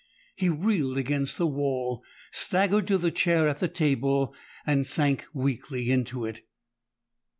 He reeled against the wall, staggered to the chair at the table, and sank weakly into it.